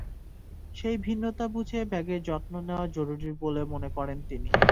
সেই ভিন্নতা বুঝে ব্যাগের যত্ন নেওয়া জরুরি বলে মনে করেন তিনি।